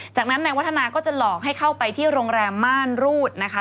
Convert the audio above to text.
จากนั้นนายวัฒนาก็จะหลอกให้เข้าไปที่โรงแรมม่านรูดนะคะ